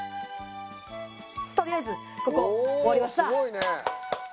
とりあえずここ終わりました。